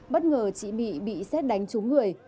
bất ngờ chị mỹ bị xét đánh trúng người